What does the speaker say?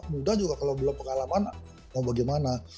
muda juga kalau belum pengalaman mau bagaimana